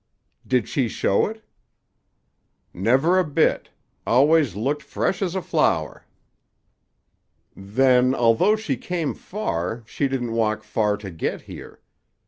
"Did she show it?" "Never a bit. Always looked fresh as a flower." "Then, although she came far, she didn't walk far to get here.